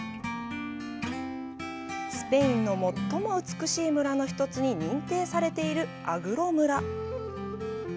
“スペインの最も美しい村”の１つに認定されているアグロ村。